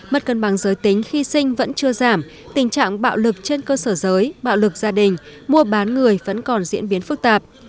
mất cân bằng giới tính khi sinh vẫn chưa giảm tình trạng bạo lực trên cơ sở giới bạo lực gia đình mua bán người vẫn còn diễn biến phức tạp